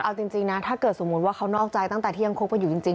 เอาจริงนะถ้าเกิดสมมุติว่าเขานอกใจตั้งแต่ที่ยังคบกันอยู่จริง